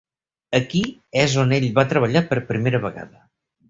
Aquí és on ell va treballar per primera vegada.